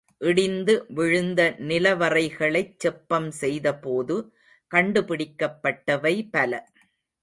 இடிந்து விழுந்த நிலவறைகளைச் செப்பம் செய்தபோது கண்டுபிடிக்கப்பட்டவை பல.